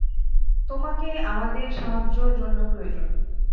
তোমাকে আমাদের সাহায্যের জন্য প্রয়োজন।